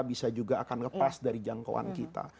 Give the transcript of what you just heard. bisa juga akan lepas dari jangkauan kita